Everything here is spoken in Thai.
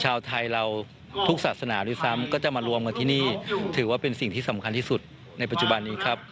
ชาวไทยเราทุกศาสนาด้วยซ้ำก็จะมารวมกันที่นี่ถือว่าเป็นสิ่งที่สำคัญที่สุดในปัจจุบันนี้ครับ